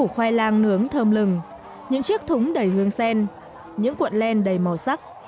một khoai lang nướng thơm lừng những chiếc thúng đầy hương sen những cuộn len đầy màu sắc